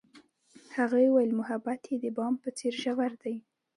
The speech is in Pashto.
هغې وویل محبت یې د بام په څېر ژور دی.